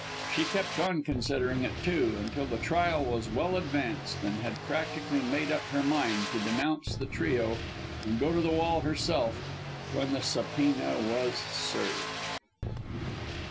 She kept on considering it, too, until the trial was well advanced, and had practically made up her mind to denounce the trio and go to the wall herself, when the subpoena was served.